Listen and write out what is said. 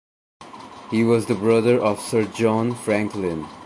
He was the brother of Sir John Franklin.